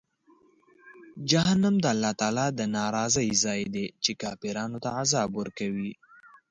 جهنم د الله تعالی د ناراضۍ ځای دی، چې کافرانو ته عذاب ورکوي.